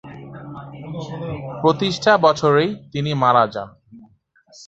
প্রতিষ্ঠা বছরেই তিনি মারা যান।